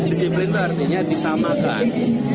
disiplin itu artinya disamakan